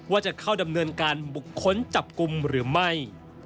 ว่าจะเข้าดำเนินการบุคคลจับกลุ่มหรือไม่